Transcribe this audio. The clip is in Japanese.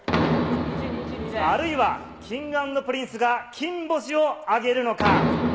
あるいはＫｉｎｇ＆Ｐｒｉｎｃｅが金星を挙げるのか。